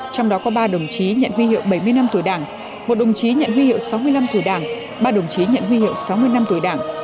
trong đó có ba đồng chí nhận huy hiệu bảy mươi năm tuổi đảng một đồng chí nhận huy hiệu sáu mươi năm tuổi đảng ba đồng chí nhận huy hiệu sáu mươi năm tuổi đảng